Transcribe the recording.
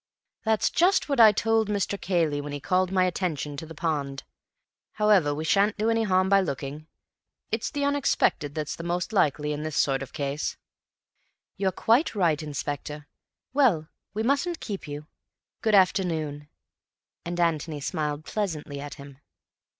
"That's just what I told Mr. Cayley, when he called my attention to the pond. However, we shan't do any harm by looking. It's the unexpected that's the most likely in this sort of case." "You're quite right, Inspector. Well, we mustn't keep you. Good afternoon," and Antony smiled pleasantly at him.